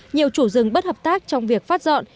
nhiều chủ rừng bất hợp tác trong việc phát dọn